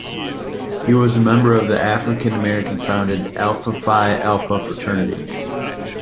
He was a member of the African American founded Alpha Phi Alpha fraternity.